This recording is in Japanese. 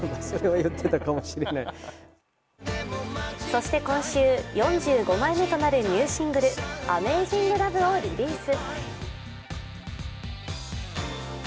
そして今週、４５枚目となるニューシングル、「ＡｍａｚｉｎｇＬｏｖｅ」をリリース。